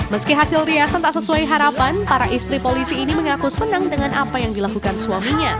meski hasil riasan tak sesuai harapan para istri polisi ini mengaku senang dengan apa yang dilakukan suaminya